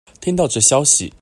聽到這消息